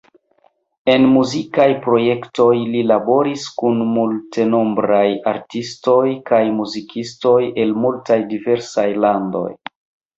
En muzikaj projektoj li laboris kun multenombraj artistoj kaj muzikistoj el multaj diversaj landoj.